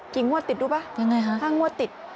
งวดติดดูป่ะยังไงคะห้างวดติด